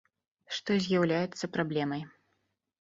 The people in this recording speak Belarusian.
Што і з'яўляецца праблемай.